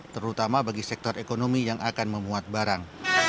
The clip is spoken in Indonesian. terutama bagi sektor ekonomi yang akan memuat barang